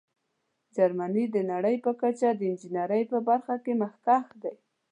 جرمني د نړۍ په کچه د انجینیرۍ په برخه کې مخکښ دی.